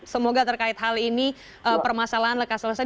semoga terkait hal ini permasalahan lekas selesai